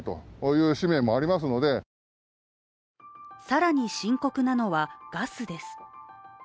更に深刻なのはガスです。